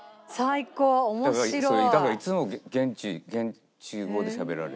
だからいつも現地語でしゃべられる。